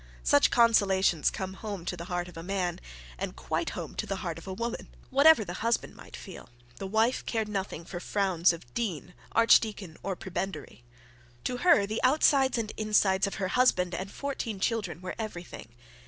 Such consolations come home to the heart of a man, and quite home to the heart of a woman. Whatever the husband might feel, the wife cared nothing for the frowns of the dean, archdeacon, or prebendary. To her the outsides and insides of her husband and fourteen children were everything.